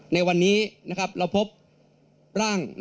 ในวันนี้เราพบร่าง